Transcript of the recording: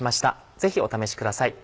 ぜひお試しください。